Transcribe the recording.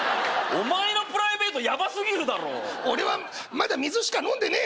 お前のプライベートヤバすぎるだろ俺はまだ水しか飲んでねえ！